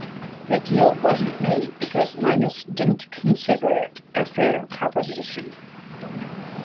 The deal wasn't made because Linus didn't consider it a fair proposition.